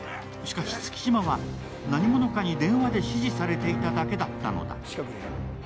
しかし月島は、何者かに電話で指示されていただけだったのだ。